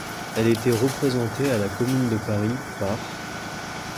Elle était représentée à la Commune de Paris par.